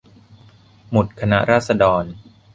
หมุดคณะราษฎร